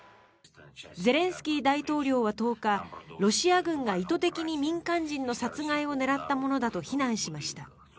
ゼレンスキー大統領は１０日ロシア軍が意図的に民間人の殺害を狙ったものだと非難しました。